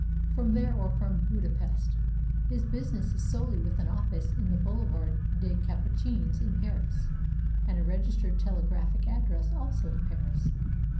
"From there or from Budapest. His business is solely with an office in the Boulevard des Capucines in Paris, and a registered telegraphic address also in Paris."